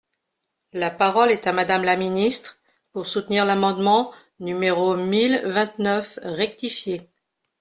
La parole est à Madame la ministre, pour soutenir l’amendement numéro mille vingt-neuf rectifié.